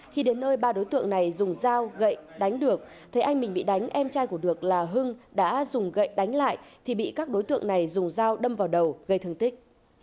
khi đến nơi ba đối tượng này dùng dao gậy đánh được thấy anh mình bị đánh em trai của được là hưng đã dùng gậy đánh lại thì bị các đối tượng này dùng dao đâm vào đầu gây thương tích